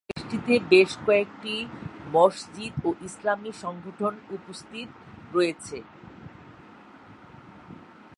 দেশটিতে বেশ কয়েকটি মসজিদ ও ইসলামী সংগঠন উপস্থিত রয়েছে।